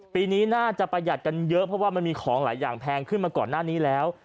ปีนี้น่าจะประหยัดกันเยอะเพราะว่ามันมีของหลายอย่างแพงขึ้นมาก่อนหน้านี้แล้ว